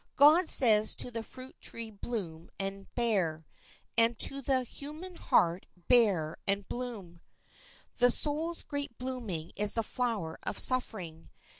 God says to the fruit tree bloom and bear, and to the human heart bear and bloom. The soul's great blooming is the flower of suffering.